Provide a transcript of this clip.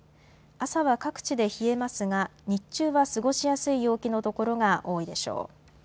朝は各地で冷えますが日中は過ごしやすい陽気の所が多いでしょう。